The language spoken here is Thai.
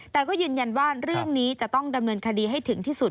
แต่ก็ยืนยันว่าเรื่องนี้จะต้องดำเนินคดีให้ถึงที่สุด